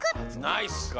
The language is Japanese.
ナイスだ！